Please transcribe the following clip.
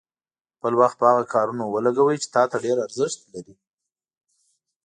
خپل وخت په هغه کارونو ولګوئ چې تا ته ډېر ارزښت لري.